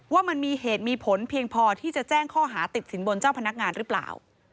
ว่ามันมีเหตุมีผลเพียงพอที่จะแจ้งข้อหาติดสินบนเจ้าพนักงานหรือเปล่า